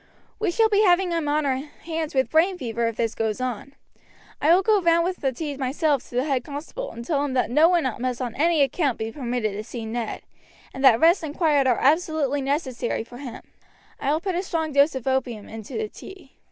We shall be having him on our hands with brain fever if this goes on. I will go round with the tea myself to the head constable and tell him that no one must on any account be permitted to see Ned, and that rest and quiet are absolutely necessary for him. I will put a strong dose of opium into the tea."